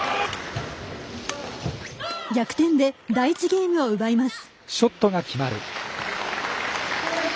逆転で第１ゲームを奪います。